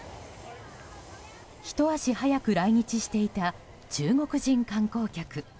ひと足早く来日していた中国人観光客。